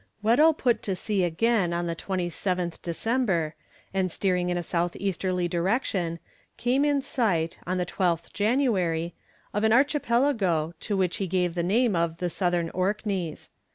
Weddell put to sea again on the 27th December, and steering in a south easterly direction, came in sight, on the 12th January, of an archipelago to which he gave the name of the Southern Orkneys.